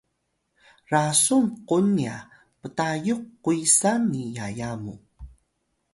rasun kung nya ptayux kuysang ni yaya muw